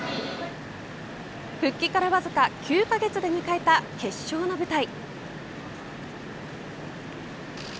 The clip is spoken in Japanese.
復帰からわずか９カ月で迎えた決勝の舞台。